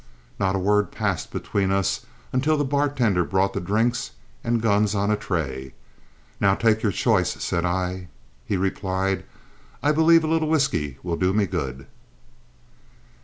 Not a word passed between us until the bartender brought the drinks and guns on a tray. "Now take your choice," said I. He replied, "I believe a little whiskey will do me good."